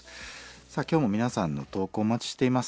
さあ今日も皆さんの投稿お待ちしています。